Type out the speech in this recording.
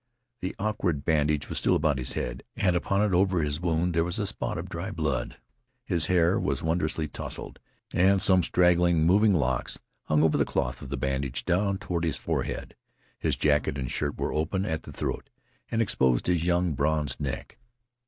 The awkward bandage was still about his head, and upon it, over his wound, there was a spot of dry blood. His hair was wondrously tousled, and some straggling, moving locks hung over the cloth of the bandage down toward his forehead. His jacket and shirt were open at the throat, and exposed his young bronzed neck.